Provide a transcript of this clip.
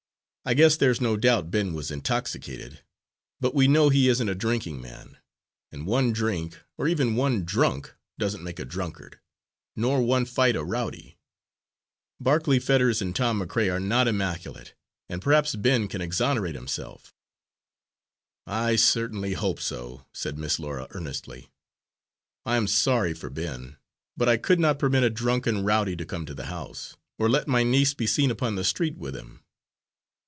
I guess there's no doubt Ben was intoxicated, but we know he isn't a drinking man, and one drink or even one drunk doesn't make a drunkard, nor one fight a rowdy. Barclay Fetters and Tom McRae are not immaculate, and perhaps Ben can exonerate himself." "I certainly hope so," said Miss Laura earnestly. "I am sorry for Ben, but I could not permit a drunken rowdy to come to the house, or let my niece be seen upon the street with him."